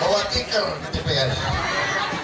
bawa tikar ke tps